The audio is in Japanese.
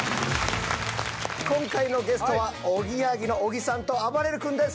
今回のゲストはおぎやはぎの小木さんとあばれる君です